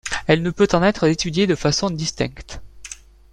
Elle ne peut en être étudiée de façon distincte.